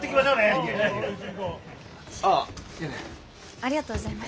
ありがとうございます。